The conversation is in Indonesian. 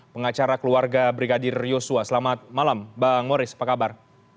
pengacara keluarga brigadir yosua selamat malam bang moris apa kabar